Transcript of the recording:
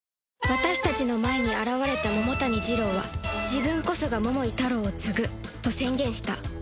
私たちの前に現れた桃谷ジロウは自分こそが桃井タロウを継ぐと宣言した